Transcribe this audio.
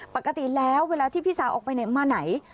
ปกติแล้วเวลาที่พี่สาวออกไปไหนมาไหน